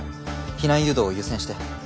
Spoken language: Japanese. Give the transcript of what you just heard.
避難誘導を優先して。